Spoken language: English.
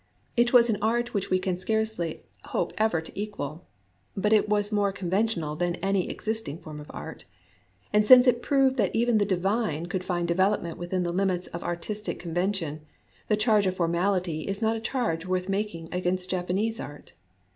It was an art which we can scarcely hope ever to equal ; but it was more conven tional than any existing form of art. And since it proved that even the divine could find 106 ABOUT FACES IN JAPANESE ART development within the limits of artistic con vention, the charge of formality is not a charge worth making against Japanese art.